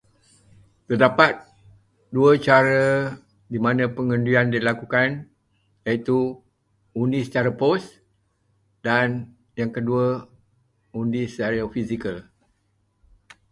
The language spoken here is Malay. Terdapat dua cara di mana pengundian dilakukan, iaitu mengundi secara pos, dan yang kedua, mengundi secara fizikal.